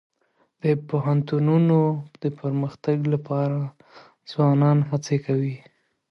د پوهنتونونو د پرمختګ لپاره ځوانان هڅي کوي.